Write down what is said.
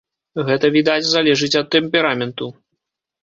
Гэта, відаць, залежыць ад тэмпераменту.